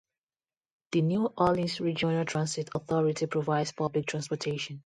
The New Orleans Regional Transit Authority provides public transportation.